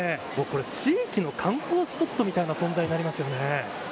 地域の観光スポットみたいな存在になりますよね。